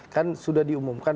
kan sudah diumumkan